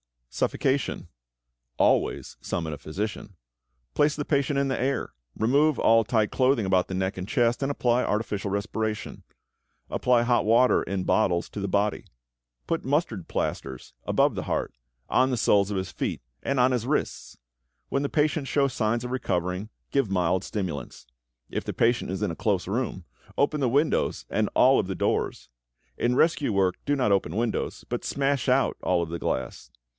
=Suffocation.= Always summon a physician. Place the patient in the air, remove all tight clothing about the neck and chest, and apply artificial respiration. Apply hot water in bottles to the body. Put mustard plasters above the heart, on the soles of his feet, and on his wrists. When the patient shows signs of recovering, give mild stimulants. If the patient is in a close room, open the windows and all of the doors. In rescue work do not open windows, but smash out all of the glass.